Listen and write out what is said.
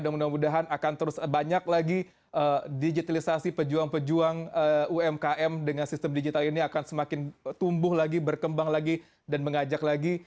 dan mudah mudahan akan terus banyak lagi digitalisasi pejuang pejuang umkm dengan sistem digital ini akan semakin tumbuh lagi berkembang lagi dan mengajak lagi